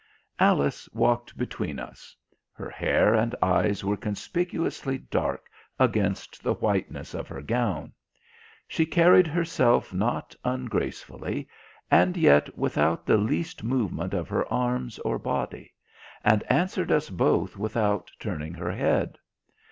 Alice walked between us. Her hair and eyes were conspicuously dark against the whiteness of her gown. She carried herself not ungracefully, and yet without the least movement of her arms or body, and answered us both without turning her head.